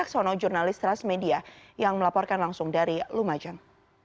sono jurnalis transmedia yang melaporkan langsung dari lumajang